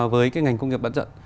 với ngành công nghiệp bán dẫn